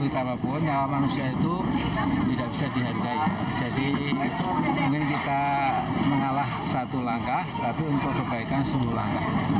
tidak bisa dihargai jadi mungkin kita mengalah satu langkah tapi untuk kebaikan seluruh langkah